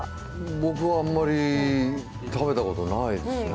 僕は、あんまり食べたことないですね。